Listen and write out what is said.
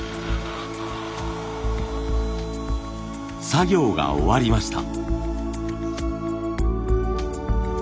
作業が終わりました。